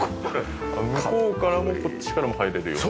向こうからもこっちからも入れるように。